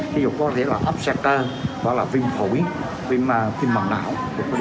ví dụ có thể là ấp xe cơ viêm khủy viêm bằng não